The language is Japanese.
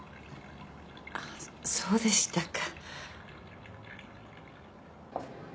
あっそうでしたか。